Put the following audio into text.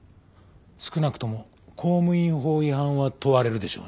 少なくとも公務員法違反は問われるでしょうね。